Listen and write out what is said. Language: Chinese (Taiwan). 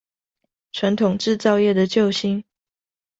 傳統製造業的救星